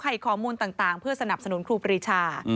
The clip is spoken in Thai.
ให้ข้อมูลต่างเพื่อสนับสนุนครูปรีชา